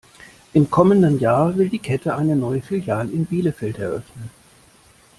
Im kommenden Jahr will die Kette eine neue Filiale in Bielefeld eröffnen.